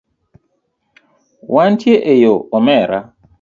Wantie eyo omera.